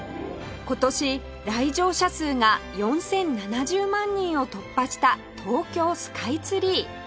今年来場者数が４０７０万人を突破した東京スカイツリー